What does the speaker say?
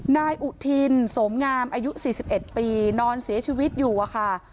นายอุทินสมงามอายุ๔๑ปีนอนเสียชีวิตอยู่อะค่ะ